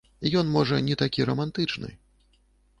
Ён можа не такі рамантычны.